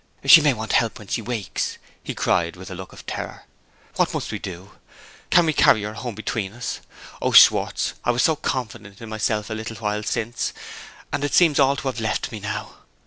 "She may want help when she wakes!" he cried, with a look of terror. "What must we do? Can we carry her home between us? Oh! Schwartz, I was so confident in myself a little while since and it seems all to have left me now!"